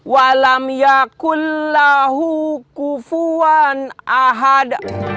wa lam yakullahu kufuan ahad